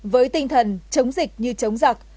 với tinh thần chống dịch như chống giặc